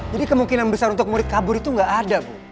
jadi kemungkinan besar untuk murid kabur itu gak ada bu